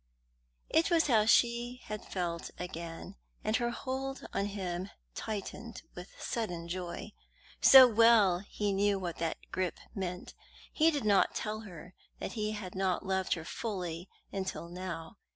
It was how she had felt again, and her hold on him tightened with sudden joy. So well he knew what that grip meant! He did not tell her that he had not loved her fully until now.